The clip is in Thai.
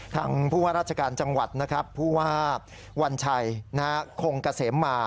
ทางผู้ว่าราชการจังหวัดนะครับผู้ว่าวัญชัยคงเกษมมา